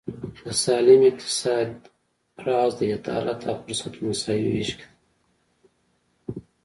د سالم اقتصاد راز د عدالت او فرصت په مساوي وېش کې دی.